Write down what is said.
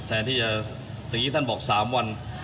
แทนที่จะตอนนี้ท่านบอก๓วัน